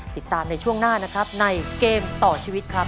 ติดตามในช่วงหน้านะครับในเกมต่อชีวิตครับ